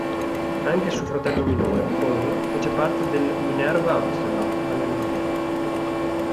Anche suo fratello minore, Paul, fece parte del "Minerva Amsterdam" alle Olimpiadi.